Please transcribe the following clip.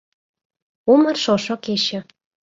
Умыр шошо кече.